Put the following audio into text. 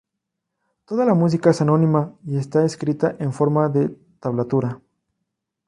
Toda la música es anónima y está escrita en forma de tablatura.